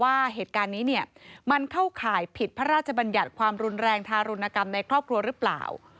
ว่าเหตุการณ์นี้เนี่ยมันเข้าข่ายผิดพระราชบัญญัติความรุนแรงทารุณกรรมในครอบครัวหรือเปล่า